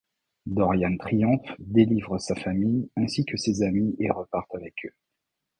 Dorian triomphe, délivre sa famille ainsi que ses amis et repart avec eux.